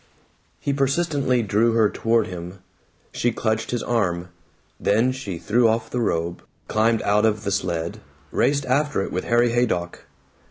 He persistently drew her toward him. She clutched his arm. Then she threw off the robe, climbed out of the sled, raced after it with Harry Haydock.